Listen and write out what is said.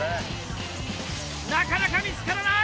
なかなか見つからない！